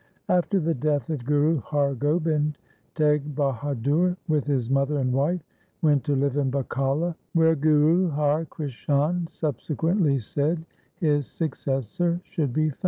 After the death of Guru Har Gobind, Teg Bahadur with his mother and wife went to live in Bakala, where Guru Har Krishan subsequently said his successor should be found.